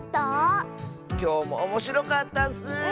きょうもおもしろかったッス！